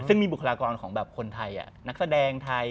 ซึ่งมีบุคลากรของแบบคนไทยนักแสดงไทย